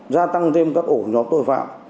gia tăng thêm các ổ nhóm tội phạm